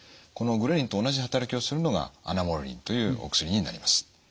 このグレリンと同じ働きをするのがアナモレリンというお薬になります。